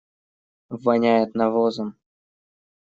Воняет навозом.